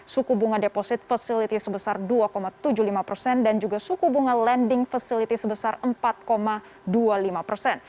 suku bunga deposit facility sebesar dua tujuh puluh lima persen dan juga suku bunga lending facility sebesar empat dua puluh lima persen